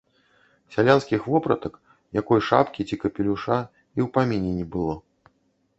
Сялянскіх вопратак, якой шапкі ці капелюша і ў паміне не было.